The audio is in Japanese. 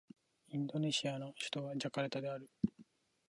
インドネシアの首都はジャカルタである